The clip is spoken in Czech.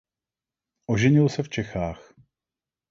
Oženil se v Čechách.